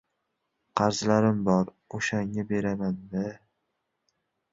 — Qarzlarim bor. O‘shanga beraman-da.